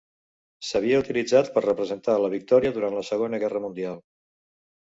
S'havia utilitzat per representar la victòria durant la Segona Guerra Mundial.